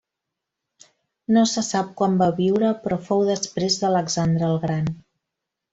No se sap quan va viure però fou després d'Alexandre el Gran.